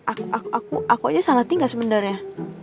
aku aku aku aku aja salah tinggal sebenarnya